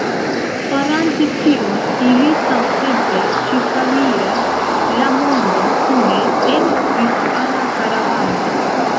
Farante tion, ili samtempe ĉirkaŭiras la mondon kune, en virtuala karavano.